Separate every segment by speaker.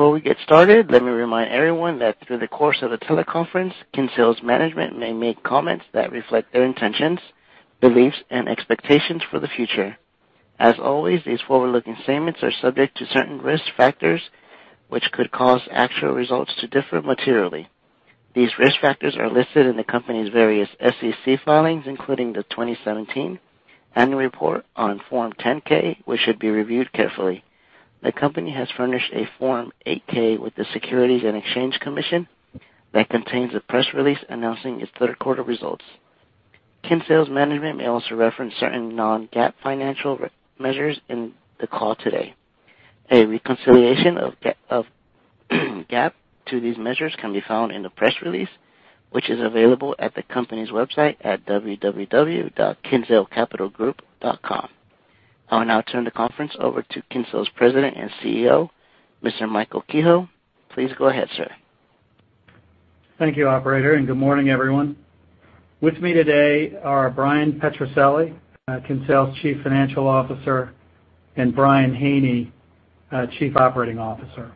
Speaker 1: Before we get started, let me remind everyone that through the course of the teleconference, Kinsale's management may make comments that reflect their intentions, beliefs, and expectations for the future. As always, these forward-looking statements are subject to certain risk factors, which could cause actual results to differ materially. These risk factors are listed in the company's various SEC filings, including the 2017 annual report on Form 10-K, which should be reviewed carefully. The company has furnished a Form 8-K with the Securities and Exchange Commission that contains a press release announcing its third quarter results. Kinsale's management may also reference certain non-GAAP financial measures in the call today. A reconciliation of GAAP to these measures can be found in the press release, which is available at the company's website at www.kinsalecapitalgroup.com. I will now turn the conference over to Kinsale's President and CEO, Mr. Michael Kehoe. Please go ahead, sir.
Speaker 2: Thank you, operator, and good morning, everyone. With me today are Bryan Petrucelli, Kinsale's Chief Financial Officer, and Brian Haney, Chief Operating Officer.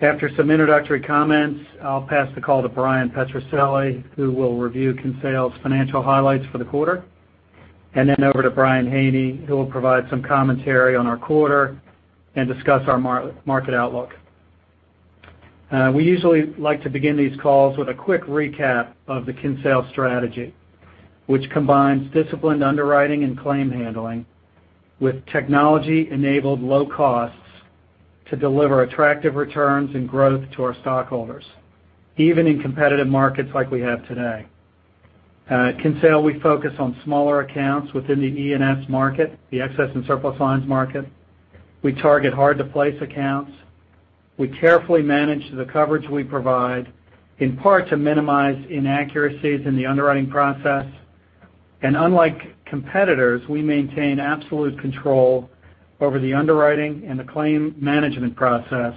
Speaker 2: After some introductory comments, I'll pass the call to Bryan Petrucelli, who will review Kinsale's financial highlights for the quarter, and then over to Brian Haney, who will provide some commentary on our quarter and discuss our market outlook. We usually like to begin these calls with a quick recap of the Kinsale strategy, which combines disciplined underwriting and claim handling with technology-enabled low costs to deliver attractive returns and growth to our stockholders, even in competitive markets like we have today. At Kinsale, we focus on smaller accounts within the E&S market, the Excess and Surplus lines market. We target hard-to-place accounts. We carefully manage the coverage we provide, in part to minimize inaccuracies in the underwriting process. Unlike competitors, we maintain absolute control over the underwriting and the claim management process,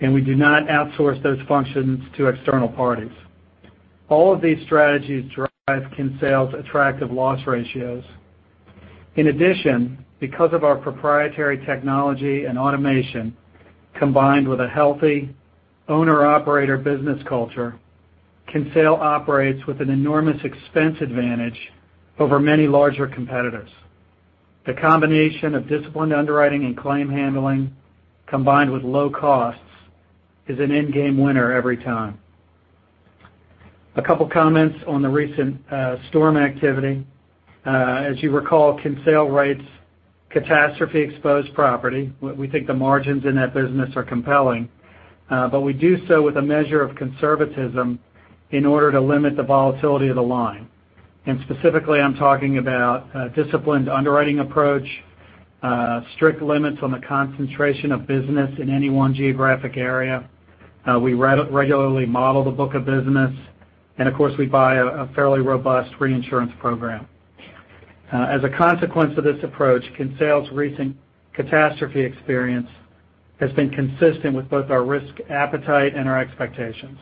Speaker 2: and we do not outsource those functions to external parties. All of these strategies drive Kinsale's attractive loss ratios. In addition, because of our proprietary technology and automation, combined with a healthy owner-operator business culture, Kinsale operates with an enormous expense advantage over many larger competitors. The combination of disciplined underwriting and claim handling, combined with low costs, is an end-game winner every time. A couple of comments on the recent storm activity. As you recall, Kinsale writes catastrophe-exposed property. We think the margins in that business are compelling. We do so with a measure of conservatism in order to limit the volatility of the line, and specifically, I'm talking about a disciplined underwriting approach, strict limits on the concentration of business in any one geographic area. We regularly model the book of business, and of course, we buy a fairly robust reinsurance program. As a consequence of this approach, Kinsale's recent catastrophe experience has been consistent with both our risk appetite and our expectations.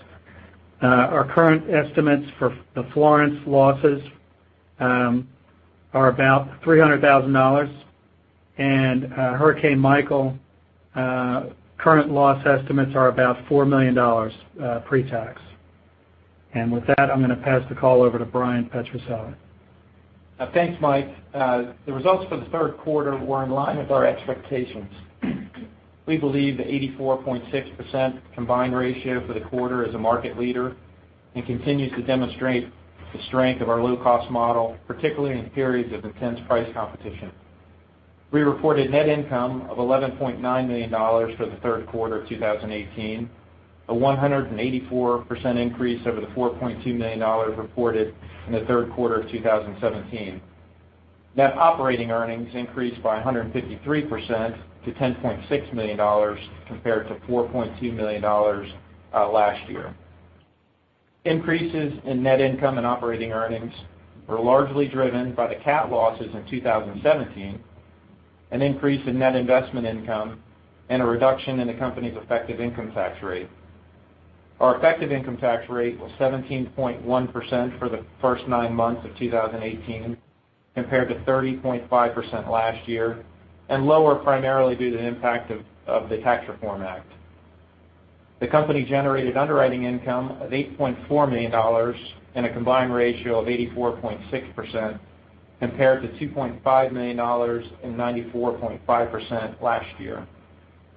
Speaker 2: Our current estimates for the Florence losses are about $300,000, and Hurricane Michael current loss estimates are about $4 million pre-tax. With that, I'm going to pass the call over to Bryan P. Petrucelli.
Speaker 3: Thanks, Mike. The results for the third quarter were in line with our expectations. We believe the 84.6% combined ratio for the quarter is a market leader and continues to demonstrate the strength of our low-cost model, particularly in periods of intense price competition. We reported net income of $11.9 million for the third quarter of 2018, a 184% increase over the $4.2 million reported in the third quarter of 2017. Net operating earnings increased by 153% to $10.6 million, compared to $4.2 million last year. Increases in net income and operating earnings were largely driven by the cat losses in 2017, an increase in net investment income, and a reduction in the company's effective income tax rate. Our effective income tax rate was 17.1% for the first nine months of 2018, compared to 30.5% last year, and lower primarily due to the impact of the Tax Reform Act. The company generated underwriting income of $8.4 million and a combined ratio of 84.6%, compared to $2.5 million and 94.5% last year.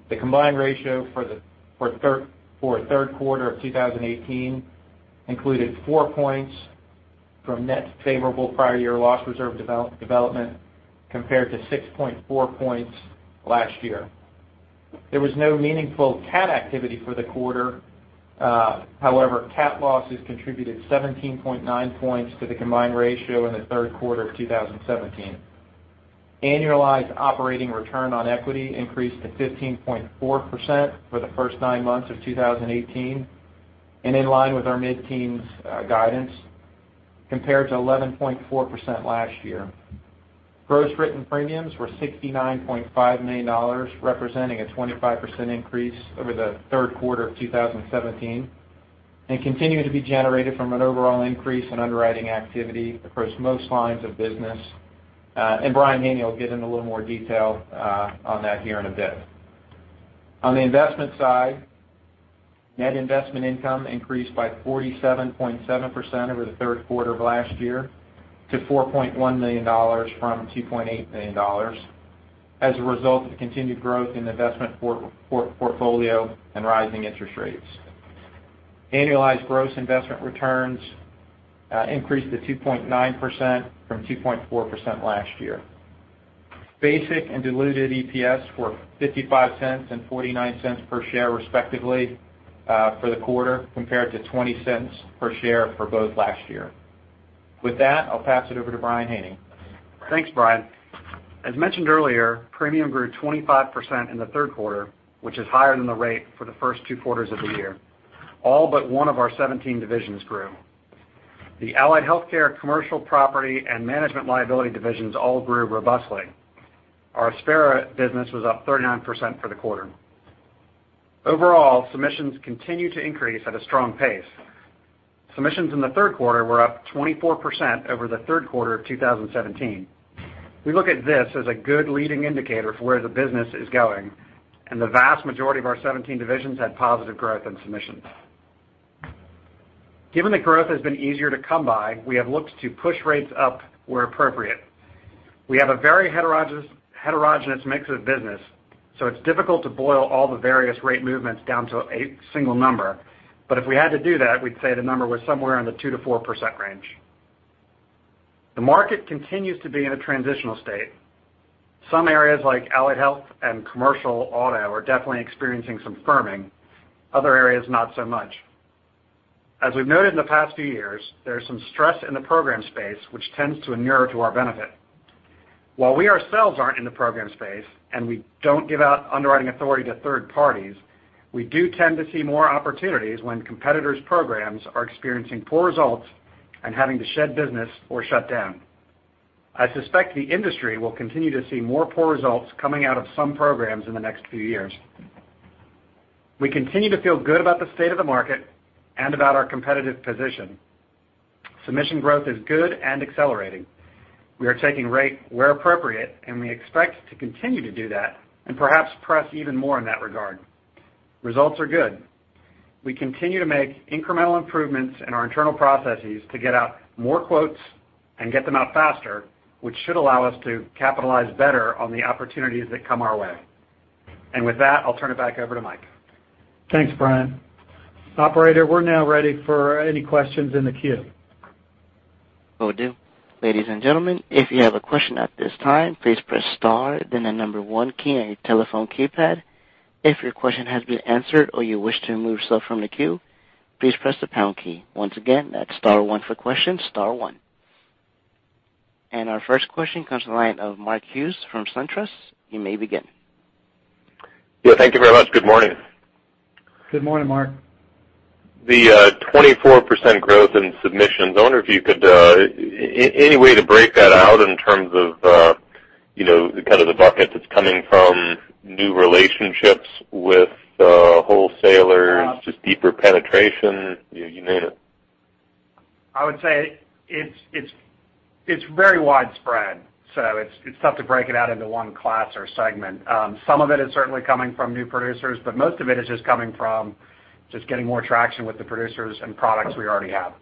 Speaker 3: The combined ratio for the third quarter of 2018 included four points from net favorable prior year loss reserve development compared to 6.4 points last year. There was no meaningful cat activity for the quarter. However, cat losses contributed 17.9 points to the combined ratio in the third quarter of 2017. Annualized operating return on equity increased to 15.4% for the first nine months of 2018, and in line with our mid-teens guidance, compared to 11.4% last year. Gross written premiums were $69.5 million, representing a 25% increase over the third quarter of 2017. They continue to be generated from an overall increase in underwriting activity across most lines of business. Brian D. Haney will get into a little more detail on that here in a bit. On the investment side, net investment income increased by 47.7% over the third quarter of last year to $4.1 million from $2.8 million as a result of the continued growth in investment portfolio and rising interest rates. Annualized gross investment returns increased to 2.9% from 2.4% last year. Basic and diluted EPS were $0.55 and $0.49 per share, respectively, for the quarter, compared to $0.20 per share for both last year. With that, I'll pass it over to Brian D. Haney.
Speaker 4: Thanks, Brian. As mentioned earlier, premium grew 25% in the third quarter, which is higher than the rate for the first two quarters of the year. All but one of our 17 divisions grew. The Allied Health, Commercial Property, and Management Liability divisions all grew robustly. Our Aspera business was up 39% for the quarter. Overall, submissions continue to increase at a strong pace. Submissions in the third quarter were up 24% over the third quarter of 2017. The vast majority of our 17 divisions had positive growth in submissions. We look at this as a good leading indicator for where the business is going. Given that growth has been easier to come by, we have looked to push rates up where appropriate. We have a very heterogeneous mix of business, so it's difficult to boil all the various rate movements down to a single number. If we had to do that, we'd say the number was somewhere in the 2%-4% range. The market continues to be in a transitional state. Some areas like Allied Health and Commercial Auto are definitely experiencing some firming, other areas not so much. As we've noted in the past few years, there is some stress in the program space which tends to inure to our benefit. While we ourselves aren't in the program space and we don't give out underwriting authority to third parties, we do tend to see more opportunities when competitors' programs are experiencing poor results and having to shed business or shut down. I suspect the industry will continue to see more poor results coming out of some programs in the next few years. We continue to feel good about the state of the market and about our competitive position. Submission growth is good and accelerating. We are taking rate where appropriate, and we expect to continue to do that and perhaps press even more in that regard. Results are good. We continue to make incremental improvements in our internal processes to get out more quotes and get them out faster, which should allow us to capitalize better on the opportunities that come our way. With that, I'll turn it back over to Mike.
Speaker 2: Thanks, Brian. Operator, we're now ready for any questions in the queue.
Speaker 1: Will do. Ladies and gentlemen, if you have a question at this time, please press star, then the number one key on your telephone keypad. If your question has been answered or you wish to remove yourself from the queue, please press the pound key. Once again, that's star one for questions, star one. Our first question comes to the line of Mark Hughes from SunTrust. You may begin.
Speaker 5: Yeah, thank you very much. Good morning.
Speaker 2: Good morning, Mark.
Speaker 5: The 24% growth in submissions, any way to break that out in terms of the kind of the buckets it's coming from, new relationships with wholesalers. just deeper penetration, you name it.
Speaker 4: I would say it's very widespread. It's tough to break it out into one class or segment. Some of it is certainly coming from new producers. Most of it is just coming from just getting more traction with the producers and products we already have.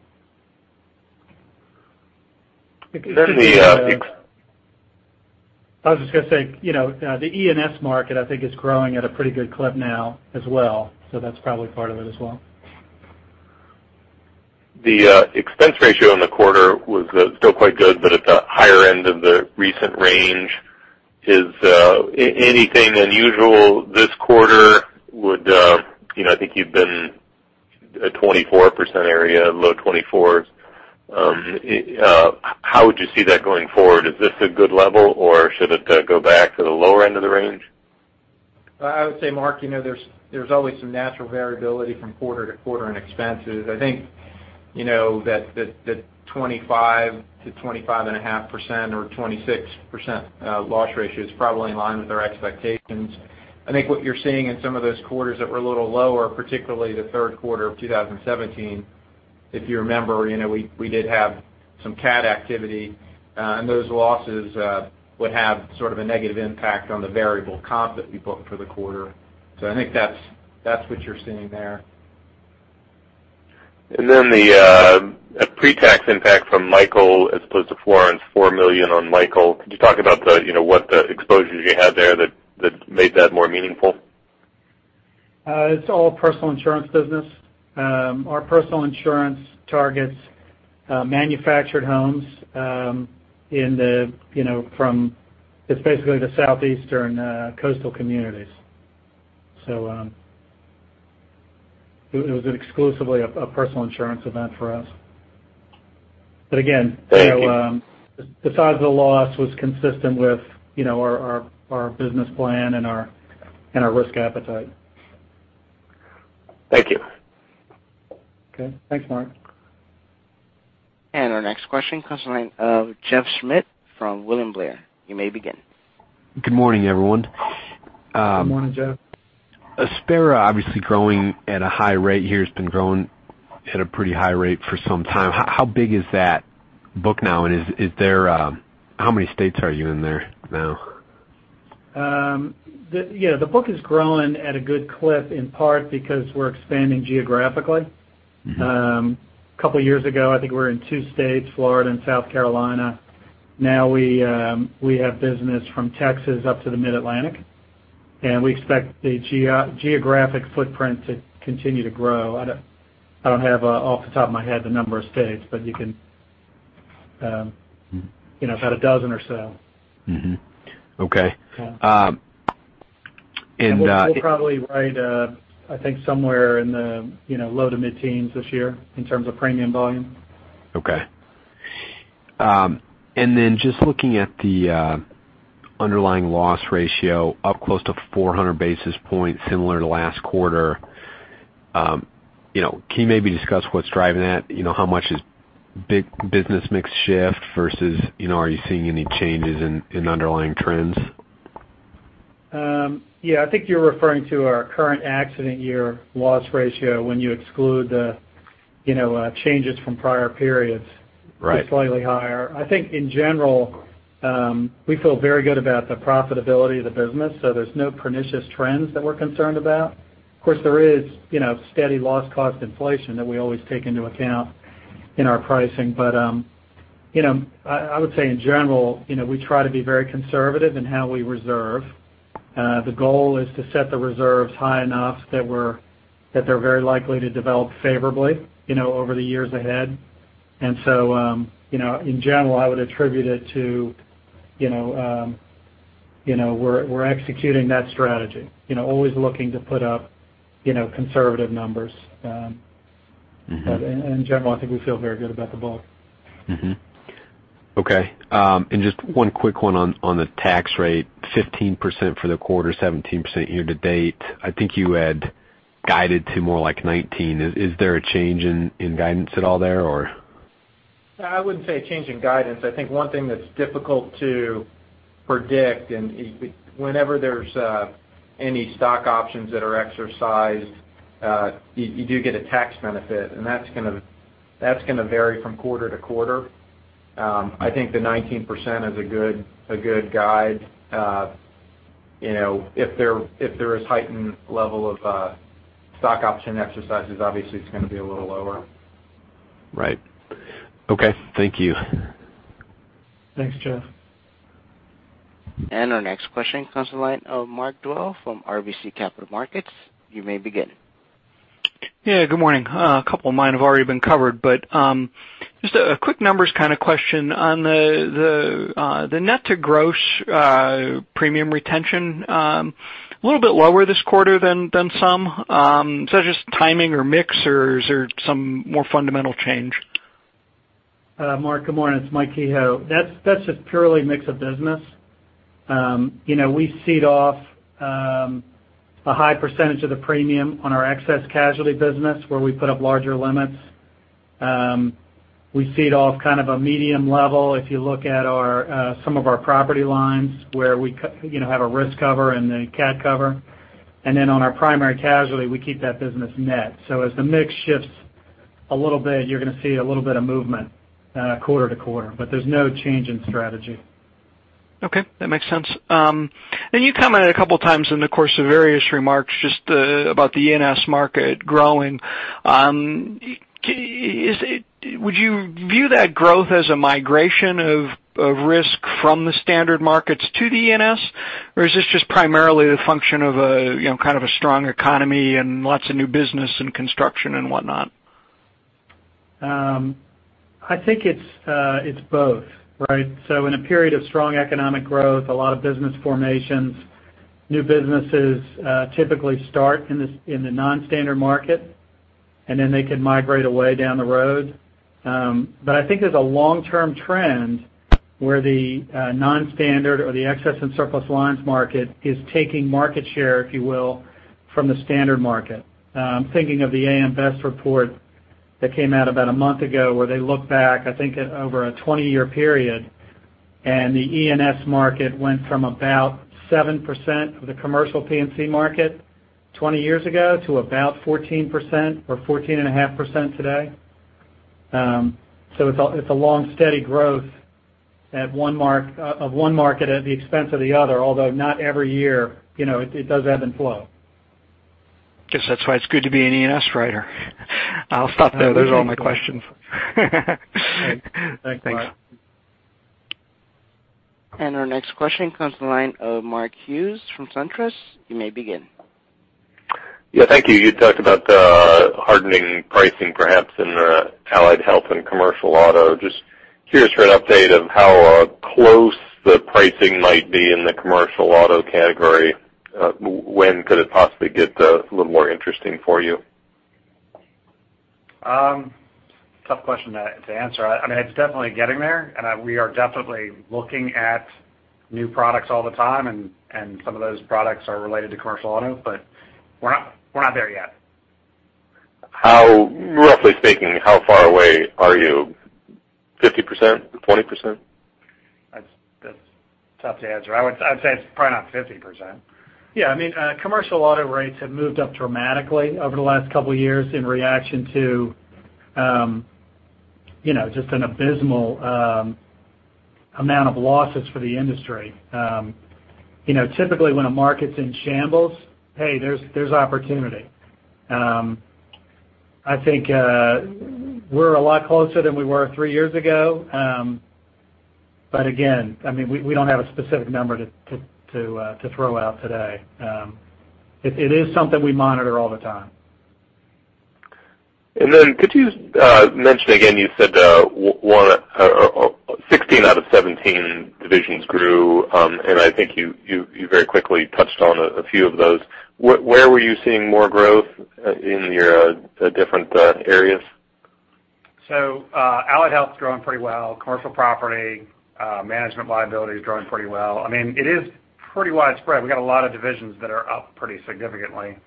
Speaker 2: It could be- Could the ex-. I was just going to say, the E&S market, I think, is growing at a pretty good clip now as well, so that's probably part of it as well.
Speaker 5: The expense ratio in the quarter was still quite good, but at the higher end of the recent range. Is anything unusual this quarter? I think you've been at 24% area, low twenty-fours. How would you see that going forward? Is this a good level, or should it go back to the lower end of the range?
Speaker 3: I would say, Mark, there's always some natural variability from quarter to quarter in expenses. I think that 25%-25.5% or 26% loss ratio is probably in line with our expectations. I think what you're seeing in some of those quarters that were a little lower, particularly the third quarter of 2017, if you remember, we did have some cat activity. Those losses would have sort of a negative impact on the variable comp that we book for the quarter. I think that's what you're seeing there.
Speaker 5: The pre-tax impact from Michael as opposed to Florence, $4 million on Michael. Could you talk about what exposure you had there that made that more meaningful?
Speaker 2: It's all personal insurance business. Our personal insurance targets manufactured homes in the, from, it's basically the southeastern coastal communities. It was exclusively a personal insurance event for us.
Speaker 5: Thank you.
Speaker 2: The size of the loss was consistent with our business plan and our risk appetite.
Speaker 5: Thank you.
Speaker 2: Okay. Thanks, Mark.
Speaker 1: Our next question comes from the line of Jeff Schmitt from William Blair. You may begin.
Speaker 6: Good morning, everyone.
Speaker 3: Good morning, Jeff.
Speaker 6: Aspera obviously growing at a high rate here, has been growing at a pretty high rate for some time. How big is that book now? How many states are you in there now?
Speaker 2: The book is growing at a good clip, in part because we're expanding geographically. A couple of years ago, I think we were in two states, Florida and South Carolina. Now we have business from Texas up to the Mid-Atlantic, and we expect the geographic footprint to continue to grow. I don't have, off the top of my head, the number of states, but you can think about a dozen or so.
Speaker 6: Mm-hmm. Okay.
Speaker 2: Yeah. And- We'll probably write, I think, somewhere in the low to mid-teens this year in terms of premium volume.
Speaker 6: Okay. Just looking at the underlying loss ratio, up close to 400 basis points, similar to last quarter. Can you maybe discuss what's driving that? How much is big business mix shift versus are you seeing any changes in underlying trends?
Speaker 2: Yeah. I think you're referring to our current accident year loss ratio when you exclude the changes from prior periods. Right To slightly higher. I think in general, we feel very good about the profitability of the business. There's no pernicious trends that we're concerned about. Of course, there is steady loss cost inflation that we always take into account in our pricing. I would say in general, we try to be very conservative in how we reserve. The goal is to set the reserves high enough that they're very likely to develop favorably over the years ahead. In general, I would attribute it to we're executing that strategy, always looking to put up conservative numbers. In general, I think we feel very good about the book.
Speaker 6: Okay. Just one quick one on the tax rate, 15% for the quarter, 17% year-to-date. I think you had guided to more like 19. Is there a change in guidance at all there, or?
Speaker 3: I wouldn't say a change in guidance. I think one thing that's difficult to predict, and whenever there's any stock options that are exercised, you do get a tax benefit, and that's going to vary from quarter-to-quarter. I think the 19% is a good guide. If there is heightened level of stock option exercises, obviously it's going to be a little lower.
Speaker 6: Right. Okay. Thank you.
Speaker 2: Thanks, Jeff.
Speaker 1: Our next question comes to the line of Mark Dwelle from RBC Capital Markets. You may begin.
Speaker 7: Good morning. A couple of mine have already been covered, but just a quick numbers kind of question on the net to gross premium retention, a little bit lower this quarter than some. Is that just timing or mix, or is there some more fundamental change?
Speaker 2: Mark, good morning. It's Mike Kehoe. That's just purely mix of business. We cede off a high percentage of the premium on our excess casualty business where we put up larger limits. We cede off kind of a medium level if you look at some of our property lines where we have a risk cover and a cat cover, then on our primary casualty, we keep that business net. As the mix shifts a little bit, you're going to see a little bit of movement quarter to quarter, but there's no change in strategy.
Speaker 7: Okay. That makes sense. You commented a couple of times in the course of various remarks just about the E&S market growing. Would you view that growth as a migration of risk from the standard markets to the E&S? Or is this just primarily the function of a kind of a strong economy and lots of new business and construction and whatnot?
Speaker 2: I think it's both, right? In a period of strong economic growth, a lot of business formations, new businesses typically start in the non-standard market, and then they can migrate away down the road. I think there's a long-term trend where the non-standard or the excess in surplus lines market is taking market share, if you will, from the standard market. I'm thinking of the AM Best report that came out about a month ago where they looked back, I think, over a 20-year period, and the E&S market went from about 7% of the commercial P&C market 20 years ago to about 14% or 14.5% today. It's a long, steady growth of one market at the expense of the other, although not every year. It does ebb and flow.
Speaker 7: Guess that's why it's good to be an E&S writer. I'll stop there. Those are all my questions.
Speaker 2: Thanks. Thanks, Mark.
Speaker 7: Thanks.
Speaker 1: Our next question comes from the line of Mark Hughes from Truist. You may begin.
Speaker 5: Yeah, thank you. You talked about the hardening pricing perhaps in the Allied Health and Commercial Auto. Just curious for an update of how close the pricing might be in the Commercial Auto category. When could it possibly get a little more interesting for you?
Speaker 2: Tough question to answer. It's definitely getting there, and we are definitely looking at
Speaker 4: New products all the time, and some of those products are related to Commercial Auto, but we're not there yet.
Speaker 5: Roughly speaking, how far away are you? 50%? 20%?
Speaker 4: That's tough to answer. I would say it's probably not 50%.
Speaker 2: Yeah. Commercial Auto rates have moved up dramatically over the last couple of years in reaction to just an abysmal amount of losses for the industry. Typically, when a market's in shambles, hey, there's opportunity. I think we're a lot closer than we were three years ago. Again, we don't have a specific number to throw out today. It is something we monitor all the time.
Speaker 5: Then could you mention again, you said 16 out of 17 divisions grew, and I think you very quickly touched on a few of those. Where were you seeing more growth in your different areas?
Speaker 4: Allied Health's growing pretty well. Commercial Property, Management Liability is growing pretty well. It is pretty widespread. We've got a lot of divisions that are up pretty significantly.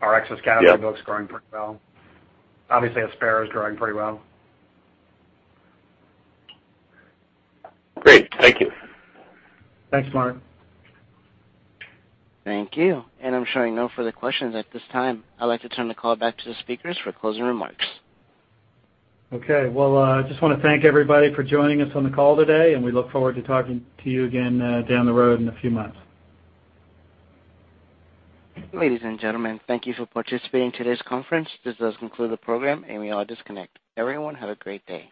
Speaker 4: Our excess casualty book's growing pretty well. Obviously, Aspera is growing pretty well.
Speaker 5: Great. Thank you.
Speaker 2: Thanks, Mark.
Speaker 1: Thank you. I'm showing no further questions at this time. I'd like to turn the call back to the speakers for closing remarks.
Speaker 2: Okay. Well, I just want to thank everybody for joining us on the call today, and we look forward to talking to you again down the road in a few months.
Speaker 1: Ladies and gentlemen, thank you for participating in today's conference. This does conclude the program, and you may all disconnect. Everyone, have a great day.